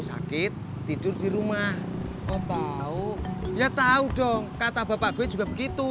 sakit tidur di rumah oh tahu ya tahu dong kata bapak gue juga begitu